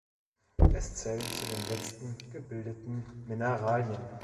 Es zählt zu den letzten gebildeten Mineralen.